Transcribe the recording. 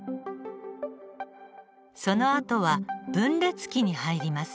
そのあとは分裂期に入ります。